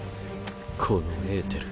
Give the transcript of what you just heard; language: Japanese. このエーテル。